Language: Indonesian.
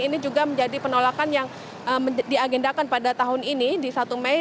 ini juga menjadi penolakan yang diagendakan pada tahun ini di satu mei